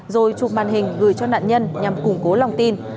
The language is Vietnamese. rồi chụp màn hình gửi cho nạn nhân nhằm củng cố lòng tin